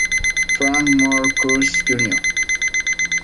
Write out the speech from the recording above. Frank Moore Cross Jr.